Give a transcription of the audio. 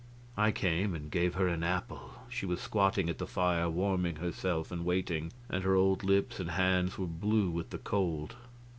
I came, and gave her an apple. She was squatting at the fire, warming herself and waiting; and her old lips and hands were blue with the cold.